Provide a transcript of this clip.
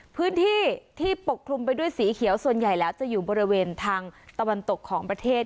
พื้นที่ที่ปกคลุมไปด้วยสีเขียวส่วนใหญ่แล้วจะอยู่บริเวณทางตะวันตกของประเทศ